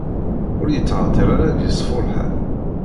Ur yettɛeṭṭil ara ad yeṣfu lḥal.